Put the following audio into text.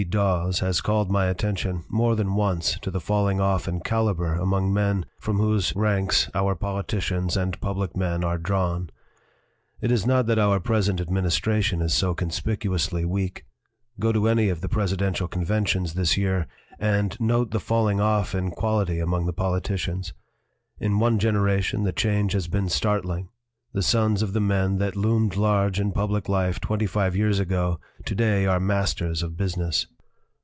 Dawes has called my attention more than once to the falling off in caliber among men from whose ranks our politicians and public men are drawn. It is not that our present ad ministration is so conspicuously weak; go to any 171 LITERATURE IN THE MAKING of the Presidential conventions this year and note the falling off in quality among the politicians. In one generation the change has been startling. The sons of the men that loomed large in public life twenty five years ago to day are masters of business.